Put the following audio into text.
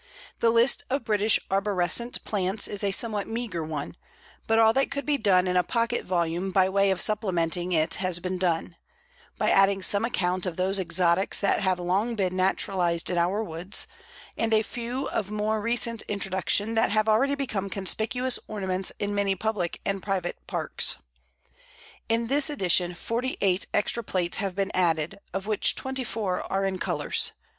The list of British arborescent plants is a somewhat meagre one, but all that could be done in a pocket volume by way of supplementing it has been done by adding some account of those exotics that have long been naturalized in our woods, and a few of more recent introduction that have already become conspicuous ornaments in many public and private parks. In this edition forty eight extra plates have been added, of which twenty four are in colours.